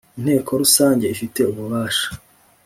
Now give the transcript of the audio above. Inteko rusange ifite ububasha